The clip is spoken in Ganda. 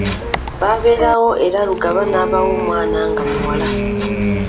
Baberawo era Lugaba n’abawa omwana nga muwala.